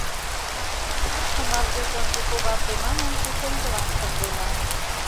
— Кукшо мардеж ынже когарте манын, пушеҥгылам шындена.